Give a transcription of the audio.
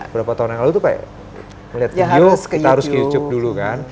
berapa tahun yang lalu tuh kayak ngeliat video kita harus ke youtube dulu kan